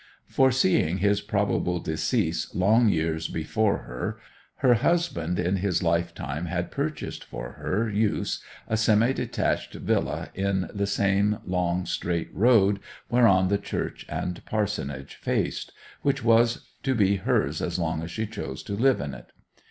Foreseeing his probable decease long years before her, her husband in his lifetime had purchased for her use a semi detached villa in the same long, straight road whereon the church and parsonage faced, which was to be hers as long as she chose to live in it.